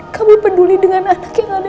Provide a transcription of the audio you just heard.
kamu peduli dengan anak yang ada